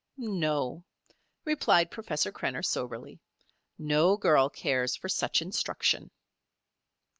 "No," replied Professor Krenner, soberly. "No girl cares for such instruction."